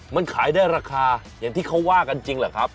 มันขายได้ราคาอย่างที่เขาว่ากันจริงเหรอครับ